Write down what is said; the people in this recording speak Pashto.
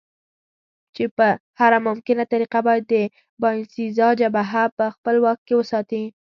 چې په هره ممکنه طریقه باید د باینسېزا جبهه په خپل واک کې وساتي.